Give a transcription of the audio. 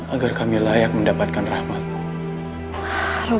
agar kami layak mendapatkan rahmatmu